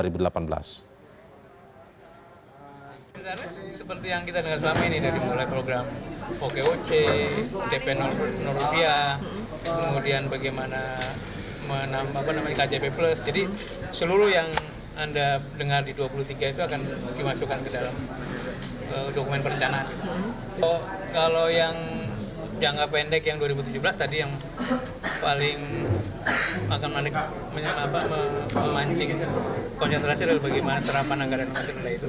pembangunan jangka menengah tahun dua ribu delapan belas adalah program yang paling akan memancing konsentrasi bagaimana serapan anggaran anggaran jangka menengah itu